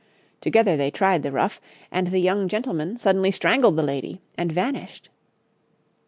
Together they tried the ruff, and the young gentleman suddenly strangled the lady and vanished.